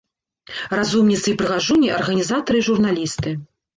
Разумніцы і прыгажуні, арганізатары і журналісты.